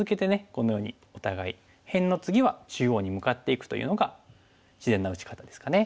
このようにお互い辺の次は中央に向かっていくというのが自然な打ち方ですかね。